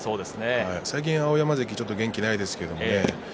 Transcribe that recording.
最近は碧山関ちょっと元気がないですけどね。